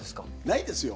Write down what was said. ないですよ。